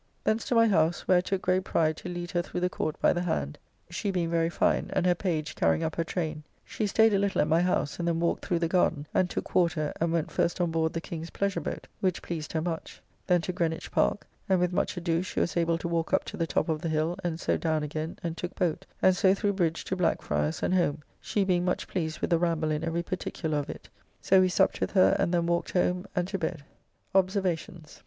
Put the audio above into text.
Thence to my house, where I took great pride to lead her through the Court by the hand, she being very fine, and her page carrying up her train. She staid a little at my house, and then walked through the garden, and took water, and went first on board the King's pleasure boat, which pleased her much. Then to Greenwich Park; and with much ado she was able to walk up to the top of the hill, and so down again, and took boat, and so through bridge to Blackfryers, and home, she being much pleased with the ramble in every particular of it. So we supped with her, and then walked home, and to bed. OBSERVATIONS.